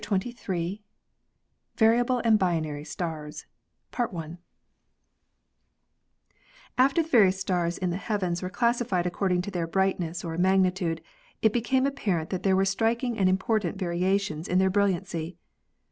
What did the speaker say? CHAPTER XXIII VARIABLE AND BINARY STARS After the various stars in the heavens were classified according to their brightness or magnitude it became ap parent that there were striking and important variations in their brilliancy.